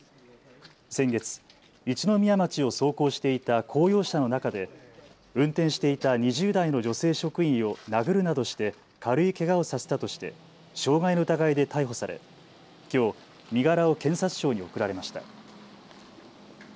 先月、一宮町を走行していた公用車の中で運転していた２０代の女性職員を殴るなどして軽いけがをさせたとして傷害の疑いで逮捕されきょう身柄を検察庁に送られました。